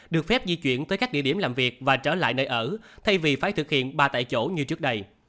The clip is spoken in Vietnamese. được phép di chuyển tới các địa điểm làm việc và trở lại nơi ở thay vì phải thực hiện ba tại chỗ như trước đây